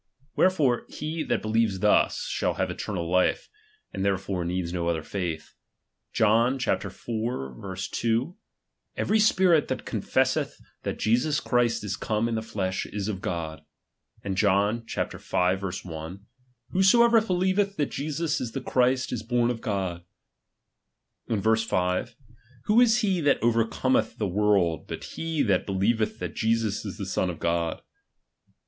Wherefore he that beljeves thus, shall have eternal life ; aud therefore needs no other faith. 1 John iv, 2 : Every spirit, that coiifesseth that Jesus Christ is came in thefiesb, is of God. And 1 John V. i : Whosoever believeth that Jesus is the Christ, is horn of God. And verse 5 : Who is he that overcomcth the world, but he that believeth that Jesus is the Son of God?